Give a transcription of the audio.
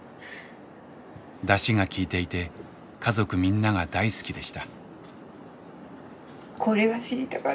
ダシが効いていて家族みんなが大好きでした。